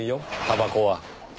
たばこは。